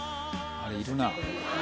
あれ、いるな。